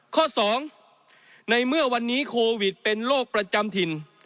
ข้อ๒ในเมื่อวันนี้โควิดเป็นโรคประจำถิ่น